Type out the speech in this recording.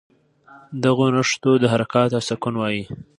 دغو نښو ته حرکات او سکون وايي.